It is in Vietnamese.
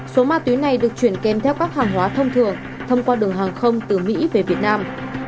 số ma túy này được chuyển kèm theo các hàng hóa thông thường thông qua đường hàng không từ mỹ về việt nam